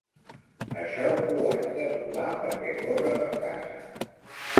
Això, ho haig de trobar, perquè corre per casa.